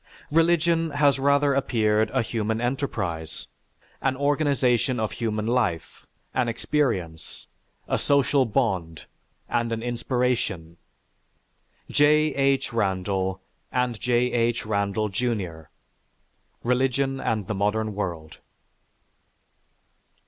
Religion has rather appeared a human enterprise, an organization of human life, an experience, a social bond, and an inspiration." (_J. H. Randall and J. H. Randall, Jr.: "Religion and the Modern World."